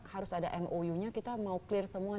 harus ada mou nya kita mau clear semua